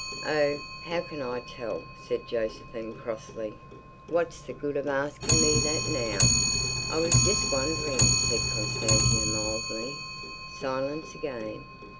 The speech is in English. "Oh, how can I tell?" said Josephine crossly. "What's the good of asking me that now?" "I was just wondering," said Constantia mildly. Silence again.